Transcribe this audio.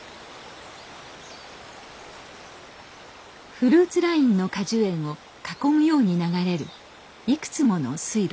フルーツラインの果樹園を囲むように流れるいくつもの水路。